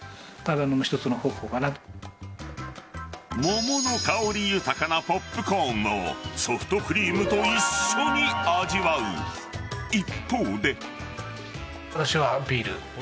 桃の香り豊かなポップコーンをソフトクリームと一緒に味わう一方で。